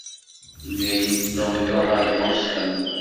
Yenna-yi-d Tom iṛuḥ ar Boston.